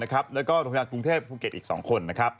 แล้วก็โรงพยาบาลกรุงเทพภูเก็ตอีก๒คน